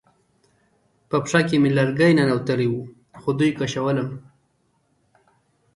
په پښه کې مې لرګی ننوتی و خو دوی کش کولم